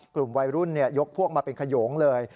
กลุ่มวัยรุ่นยกพวกมาเป็นขยงเลย